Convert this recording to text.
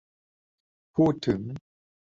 พูดถึง